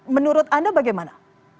menurut anda bagaimana